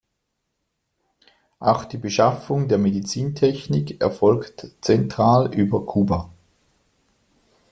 Auch die Beschaffung der Medizintechnik erfolgt zentral über Kuba.